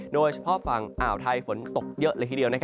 โดยเฉพาะฝั่งอ่าวไทยฝนตกเยอะเลยทีเดียว